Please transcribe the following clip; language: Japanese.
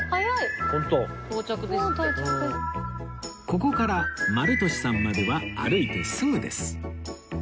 ここからまるとしさんまでは歩いてすぐです